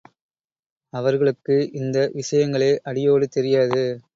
அவர்களுக்கு இந்த விஷயங்களே அடியோடு தெரியாது.